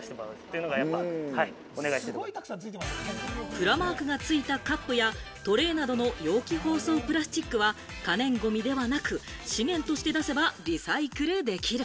プラマークがついたカップやトレーなどの容器包装プラスチックは、可燃ごみではなく、資源として出せばリサイクルできる。